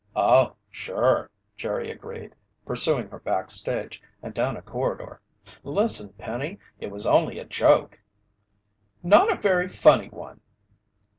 "Oh, sure," Jerry agreed, pursuing her backstage and down a corridor. "Listen, Penny, it was only a joke " "Not a very funny one!"